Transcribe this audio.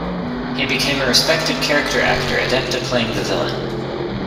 He became a respected character actor, adept at playing the villain.